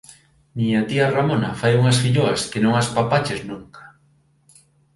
Miña tía Ramona fai unhas filloas que non as papaches nunca